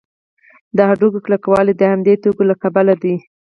د هډوکو کلکوالی د همدې توکو له کبله دی.